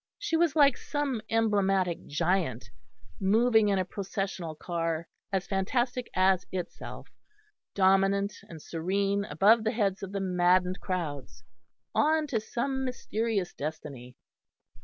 She was like some emblematic giant, moving in a processional car, as fantastic as itself, dominant and serene above the heads of the maddened crowds, on to some mysterious destiny.